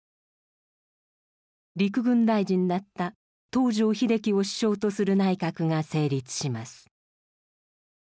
陸軍大臣だった東条英機を首相とする内閣が成立します。